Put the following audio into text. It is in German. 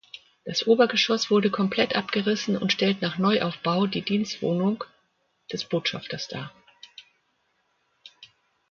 Das Obergeschoss wurde komplett abgerissen und stellt nach Neuaufbau die Dienstwohnung des Botschafters dar.